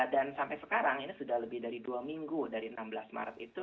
dan sampai sekarang ini sudah lebih dari dua minggu dari enam belas maret itu